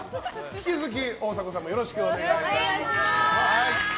引き続き、大迫さんもよろしくお願いします。